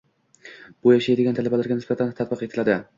Bu yashaydigan talabalariga nisbatan tatbiq etiladi.